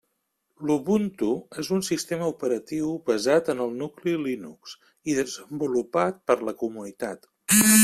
L'Ubuntu és un sistema operatiu basat en el nucli Linux i desenvolupat per la comunitat.